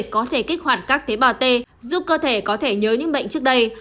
có thể kích hoạt các tế bào t giúp cơ thể có thể nhớ những bệnh trước đây